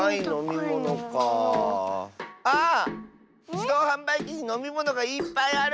じどうはんばいきにのみものがいっぱいある！